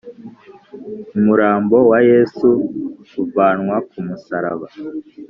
Umurambo wa yesu uvanwa kumusaraba